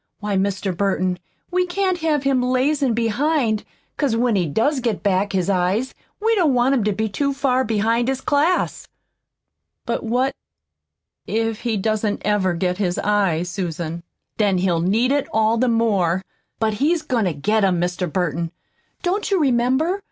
Why, Mr. Burton, we can't have him lazin' behind, 'cause when he does get back his eyes we don't want him to be too far behind his class." "But what if he doesn't ever get his eyes, Susan?" "Then he'll need it all the more. But he's goin' to get 'em, Mr. Burton. Don't you remember?